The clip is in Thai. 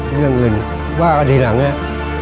เรื่องเงินว่าทีหลังเนี่ย